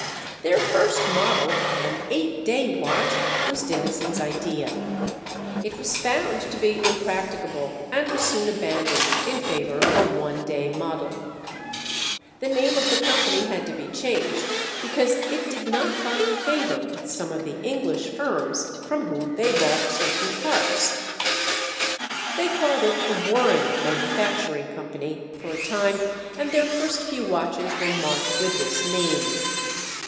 Their first model, an eight day watch, was Dennison's idea. It was found to be impracticable and was soon abandoned in favor of a one day model. The name of the company had to be changed, because it did not find favor with some of the English firms from whom they bought certain parts. They called it the "Warren Manufacturing Company" for a time, and their first few watches were marked with this name.